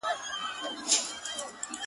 انساني وجدان پوښتنه راپورته کوي تل,